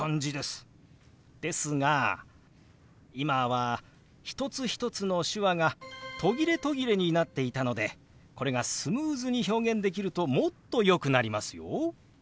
ですが今は一つ一つの手話が途切れ途切れになっていたのでこれがスムーズに表現できるともっとよくなりますよ。